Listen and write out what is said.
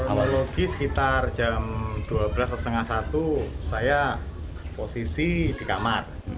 awal logi sekitar jam dua belas tiga puluh saya posisi di kamar